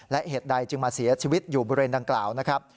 และเหตุใดจึงมาเสียชีวิตอยู่บริเวณดังกล่าวนะครับ